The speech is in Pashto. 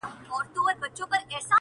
زورور هم تر چنګېز هم تر سکندر دی!!